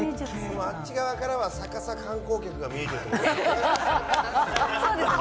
あっち側からは逆さ観光客が見えてるってことだよね。